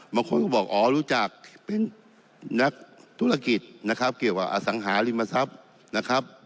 บางคนก็บอกอ๋อรู้จักเป็นนักธุรกิจนะครับเกี่ยวกับอสังหาริมทรัพย์นะครับ